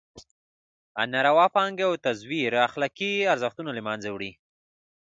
ناروا پانګې او تزویر اخلاقي ارزښتونه له مېنځه وړي.